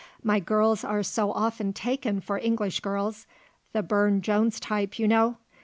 "My girls are so often taken for English girls, the Burne Jones type you know.